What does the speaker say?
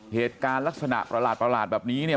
เหตุการณ์ลักษณะประหลาดแบบนี้เนี่ย